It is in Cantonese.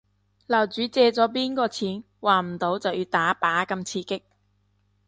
樓主借咗邊個錢？還唔到就要打靶咁刺激